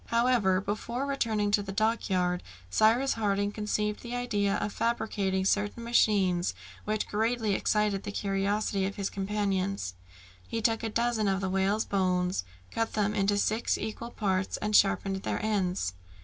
However, before returning to the dockyard, Cyrus Harding conceived the idea of fabricating certain machines, which greatly excited the curiosity of his companions. He took a dozen of the whale's bones, cut them into six equal parts, and sharpened their ends.